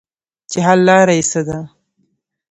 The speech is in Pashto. چې حل لاره ئې څۀ ده -